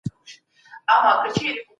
واکدار باید د خپلو خلګو له حاله خبر وي.